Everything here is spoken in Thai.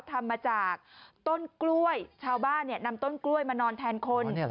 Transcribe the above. ทำมาจากต้นกล้วยชาวบ้านนำต้นกล้วยมานอนแทนคน